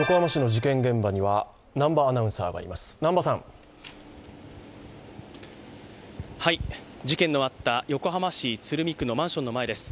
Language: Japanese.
事件のあった横浜市鶴見区のマンションの前です。